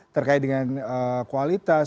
terkait dengan kualitas